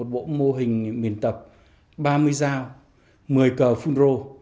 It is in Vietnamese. bộ mô hình miền tập ba mươi dao một mươi cờ phun rô